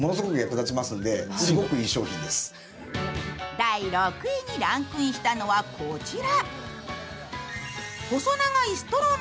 第６位にランクインしたのはこちら。